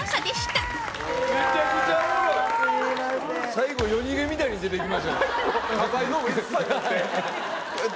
最後夜逃げみたいに出ていきましたね